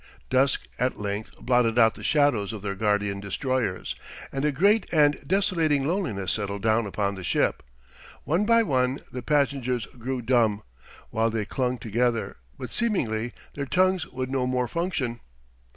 Dusk at length blotted out the shadows of their guardian destroyers, and a great and desolating loneliness settled down upon the ship. One by one the passengers grew dumb; still they clung together, but seemingly their tongues would no more function.